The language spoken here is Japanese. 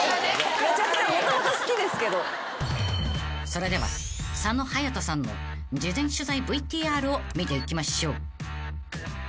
［それでは佐野勇斗さんの事前取材ＶＴＲを見ていきましょう］